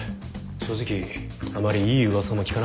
正直あまりいい噂も聞かなかったし。